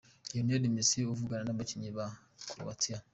Lionel Messi avugana n'abakinnyi ba Croatia .